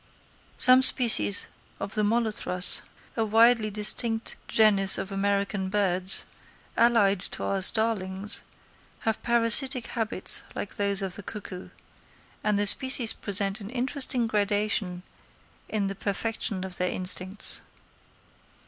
Some species of Molothrus, a widely distinct genus of American birds, allied to our starlings, have parasitic habits like those of the cuckoo; and the species present an interesting gradation in the perfection of their instincts.